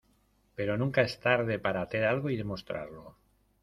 pero nunca es tarde para hacer algo y demostrarlo.